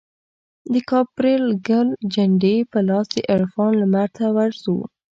دکاپرګل جنډې په لاس دعرفان لمرته ورځو